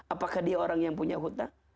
apakah dia orang yang punya hutang